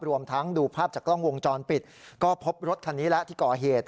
รวมทั้งดูภาพจากกล้องวงจรปิดก็พบรถคันนี้แล้วที่ก่อเหตุ